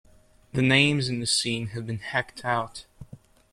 The names in the scene have been hacked out.